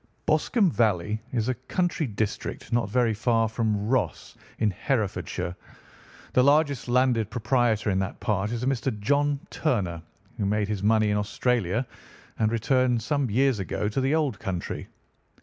"Boscombe Valley is a country district not very far from Ross, in Herefordshire. The largest landed proprietor in that part is a Mr. John Turner, who made his money in Australia and returned some years ago to the old country.